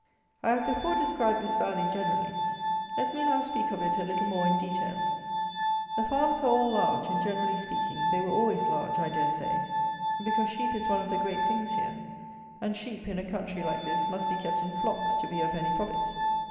I have before described this valley generally; let me now speak of it a little more in detail. The farms are all large, and, generally speaking, they were always large, I dare say; because sheep is one of the great things here; and sheep, in a country like this, must be kept in flocks, to be of any profit.